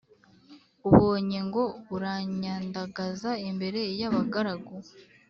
ubonye ngo uranyandagaza imbere yabagaragu